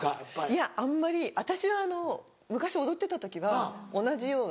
いやあんまり私はあの昔踊ってた時は同じように。